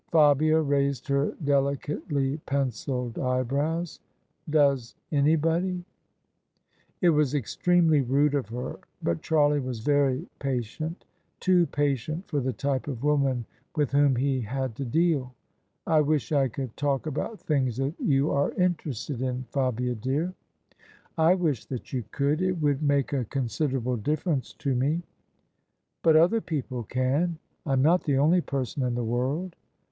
Fabia raised her delicately pencilled eyebrows. " Does anybody?" It was extremely rude of her, but Charlie was very patient: too patient for the type of woman with whom he had to deal. " I wish I could talk about things that you are interested in, Fabia, dear." " I wish that you could : it would make a considerable difiEercnce to me." THE SUBJECTION " But other people can. I'm not the only person in the world."